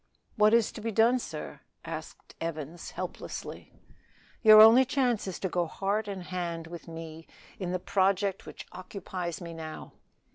"What is to be done, sir?" asked Evans helplessly. "Your only chance is to go heart and hand with me in the project which occupies me now."